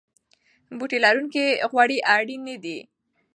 بوټي لرونکي غوړي اړین نه دي.